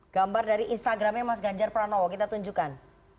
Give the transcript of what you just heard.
gambar dari instagramnya mas ganjar pranowo kita tunjukkan